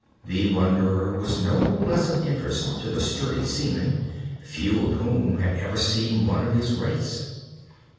The wanderer was no less of interest to the sturdy seamen, few of whom had ever seen one of his race.